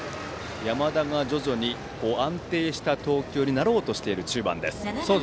山田が徐々に安定した投球になろうとしている中盤です。